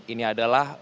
ini adalah staff